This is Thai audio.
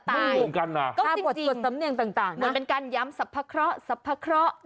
มันเหมือนกันนะจริงมันเหมือนกันย้ำสับพะเคราะห์สับพะเคราะห์